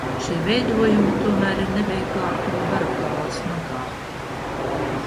Šie veidojumi tomēr ir neveiklāki un barokāli smagāki.